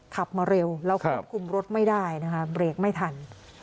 ขับมาเร็วแล้วควบคุมรถไม่ได้นะคะเบรกไม่ทัน